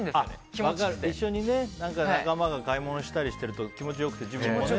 一緒に仲間が買い物したりしてると気持ち良くて自分もね。